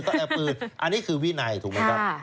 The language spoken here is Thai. ก็เอาปืนอันนี้คือวินัยถูกไหมครับ